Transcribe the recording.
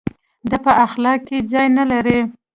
دا په اخلاق کې ځای نه لري.